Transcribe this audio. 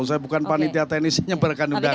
saya bukan panitia teknisnya berakan undangan